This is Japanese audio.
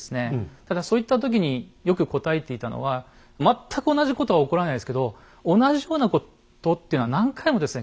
ただそういった時によく答えていたのは全く同じことは起こらないですけど「同じようなこと」っていうのは何回もですね